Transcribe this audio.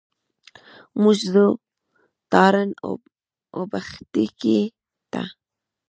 موږ ځو تارڼ اوبښتکۍ ته.